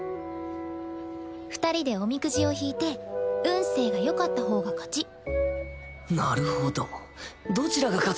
二人でおみくじを引いて運勢がよかった方が勝ち。